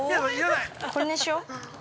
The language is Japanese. これにしよう。